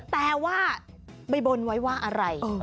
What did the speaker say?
แต่ว่าไปบนไว้ว่าอะไร